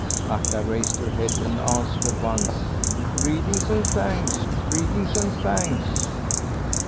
Akka raised her head and answered at once: "Greetings and thanks! Greetings and thanks!"